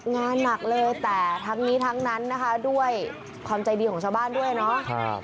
งานหนักเลยแต่ทั้งนี้ทั้งนั้นนะคะด้วยความใจดีของชาวบ้านด้วยเนาะ